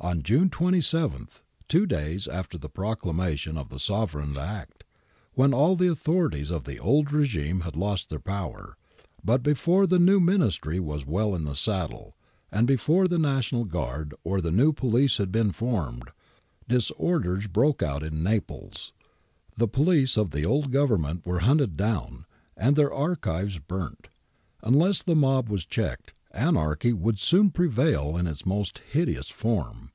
On June 27, two da3'S after the proclamation of the Sovereign Act, when all the authorities of the old regime had lost their power, but before the new Ministry was well in the saddle, and before the National Guard or the new police had been formed, disorders broke out in Naples. The police of the old Government were hunted down, and their archives burnt. Unless the mob was checked, anarchy would soon prevail in its most hideous form.